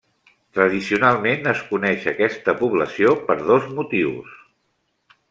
Tradicionalment es coneix aquesta població per dos motius.